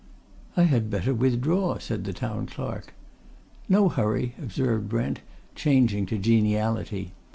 "I had better withdraw," said the Town Clerk. "No hurry," observed Brent, changing to geniality.